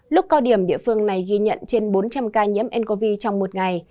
lúc cao điểm địa phương này ghi nhận trên bốn trăm linh ca nhiễm ncov trong một ngày